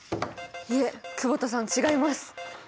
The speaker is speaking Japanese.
いえ久保田さん違います。